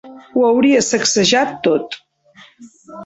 Ho hauria sacsejat tot.